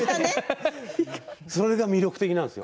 それが魅力的なんですよ。